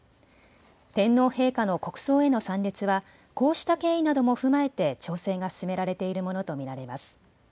天皇陛下の国葬への参列はこうした経緯なども踏まえて調整が進められているものと見られます。